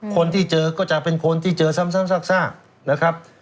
คนที่เจอก็จะเป็นคนที่เจอซ้ำซากนะครับ